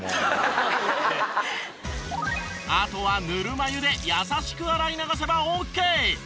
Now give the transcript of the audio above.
あとはぬるま湯で優しく洗い流せばオーケー！